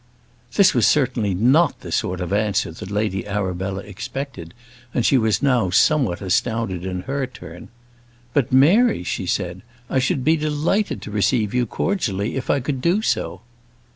This was certainly not the sort of answer that Lady Arabella expected, and she was now somewhat astounded in her turn. "But, Mary," she said, "I should be delighted to receive you cordially if I could do so."